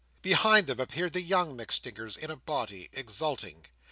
Behind them appeared the young MacStingers, in a body, exulting.